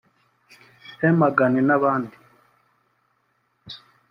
Hegman n’abandi